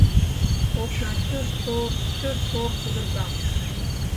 Окна чыр-чор, чыр-чор пудырга.